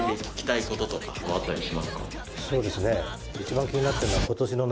そうですね。